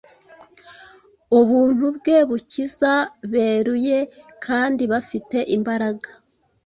ubuntu bwe bukiza beruye kandi bafite imbaraga.